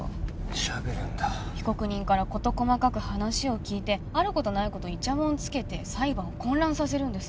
しゃべるんだ被告人から事細かく話を聞いて有る事無い事いちゃもんつけて裁判を混乱させるんです